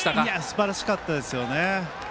すばらしかったですよね。